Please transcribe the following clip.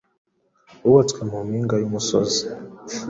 wubatswe mu mpinga y’umusozi,